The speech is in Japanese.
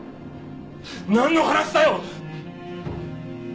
なんの話だよ！